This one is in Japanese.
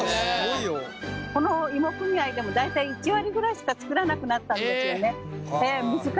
この芋組合でも大体１割ぐらいしか作らなくなったんですよね。